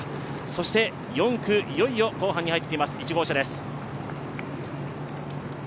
そして４区、いよいよ後半に入っています、１号車です。